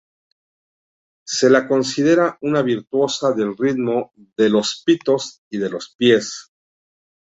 Se la considera una virtuosa del ritmo, de los pitos y de los pies.